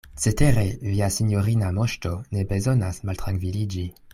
Cetere via sinjorina Moŝto ne bezonas maltrankviliĝi.